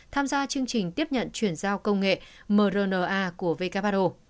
tham gia chương trình tiếp nhận chuyển giao công nghệ mrna của who